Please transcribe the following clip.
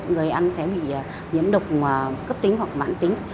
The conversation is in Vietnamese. người ăn sẽ bị nhiễm độc cấp tính hoặc mãn tính